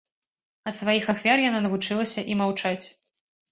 Ад сваіх ахвяр яна навучылася і маўчаць.